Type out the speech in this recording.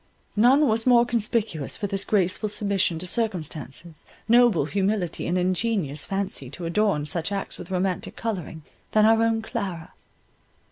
None was more conspicuous for this graceful submission to circumstances, noble humility, and ingenious fancy to adorn such acts with romantic colouring, than our own Clara.